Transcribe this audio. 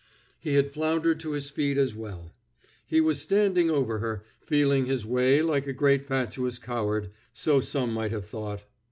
He had floundered to his feet as well. He was standing over her, feeling his way like a great fatuous coward, so some might have thought.